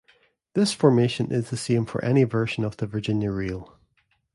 This formation is the same for any version of the Virginia reel.